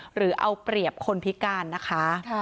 หรือเอาเปรียบคนพิการนะคะ